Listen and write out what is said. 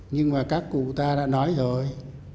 nhưng mà các cụ ta đã nói rồi